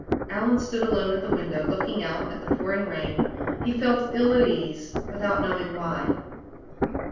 Allan stood alone at the window, looking out at the pouring rain. He felt ill at ease, without knowing why.